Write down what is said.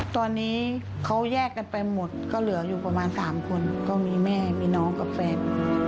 ตอนนี้เขาแยกกันไปหมดก็เหลืออยู่ประมาณ๓คนก็มีแม่มีน้องกับแฟน